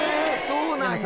そうなんや！